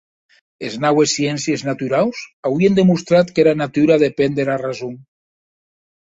Es naues sciéncies naturaus auien demostrat qu'era natura depen dera rason.